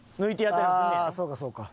ああそうかそうか。